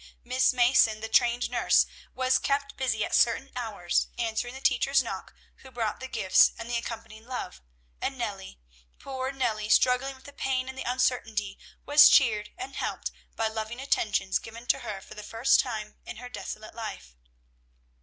Miss Mason, the trained nurse, was kept busy at certain hours answering the teacher's knock who brought the gifts and the accompanying love, and Nellie, poor Nellie, struggling with the pain and the uncertainty, was cheered and helped by loving attentions given to her for the first time in her desolate life.